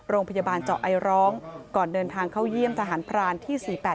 โรงพยาบาลเจาะไอร้องก่อนเดินทางเข้าเยี่ยมทหารพรานที่๔๘